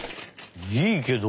いいけど。